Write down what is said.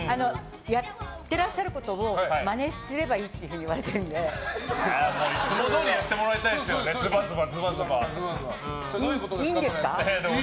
やってらっしゃることをまねすればいいっていつもどおりやってもらいたいですよねいいんですか？